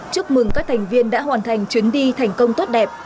chúc mừng các thành viên đã hoàn thành chuyến đi thành công tốt đẹp